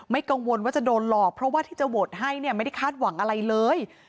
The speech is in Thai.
กังวลว่าจะโดนหลอกเพราะว่าที่จะโหวตให้เนี่ยไม่ได้คาดหวังอะไรเลย